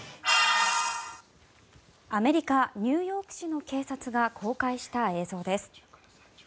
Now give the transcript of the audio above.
アメリカ・ニューヨーク市の警察が公開した映像です。